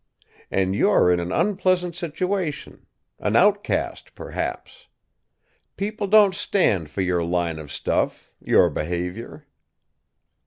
And you're in an unpleasant situation an outcast, perhaps. People don't stand for your line of stuff, your behaviour."